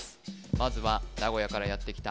まずは名古屋からやってきた